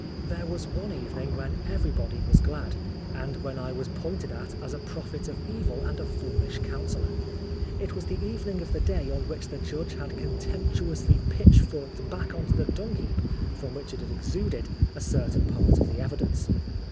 There was one evening when everybody was glad, and when I was pointed at as a prophet of evil and a foolish counsellor. It was the evening of the day on which the judge had contemptuously pitchforked back on to the dungheap, from which it had exuded, a certain part of the Evidence.